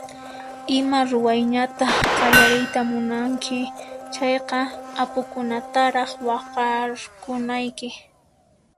Ima ruwaytaña qallariyta munanki chayqa apukunataraq waqharkunayki.